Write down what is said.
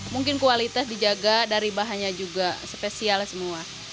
mungkin kualitas dijaga dari bahannya juga spesial semua